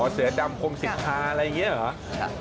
อ๋อเสือดำโครงศิษยาอะไรอย่างนี้เหรอ